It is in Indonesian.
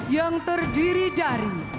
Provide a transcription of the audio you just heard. yang terdiri dari